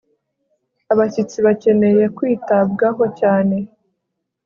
abashyitsi bakeneye kwitabwaho cyane